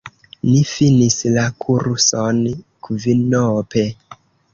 Ni finis la kurson kvinope.